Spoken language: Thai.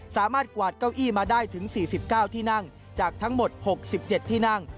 กวาดเก้าอี้มาได้ถึง๔๙ที่นั่งจากทั้งหมด๖๗ที่นั่ง